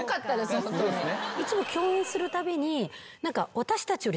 いつも共演するたびに。